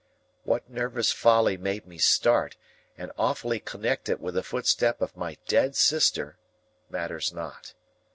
What nervous folly made me start, and awfully connect it with the footstep of my dead sister, matters not.